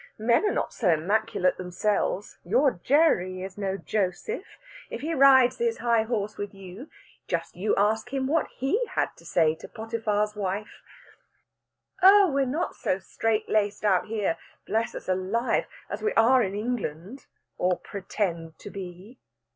Men are not so immaculate themselves; your Gerry is no Joseph! If he rides the high horse with you, just you ask him what he had to say to Potiphar's wife! Oh, we're not so strait laced out here bless us alive! as we are in England, or pretend to be."